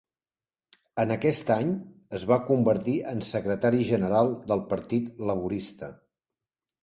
En aquest any, es va convertir en secretari general del partit laborista.